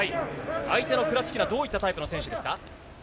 相手のクラチキナはどういったタイプの選手ですか？